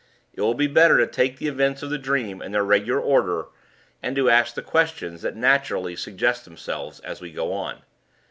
"It will be better to take the events of the dream in their regular order, and to ask the questions that naturally suggest themselves as we go on.